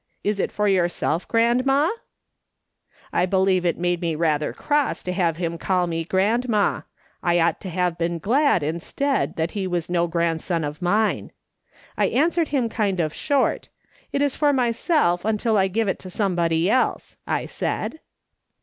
Is it for yourself, grandma V " I believe it made me feel rather cross to have him call me grandma ; I ought to have been glad, instead, that he was no grandson of mine. I answered him kind of short :' It is for myself until I give it to somebody else,' I said.